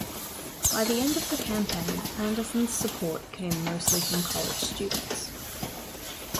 By the end of the campaign, Anderson's support came mostly from college students.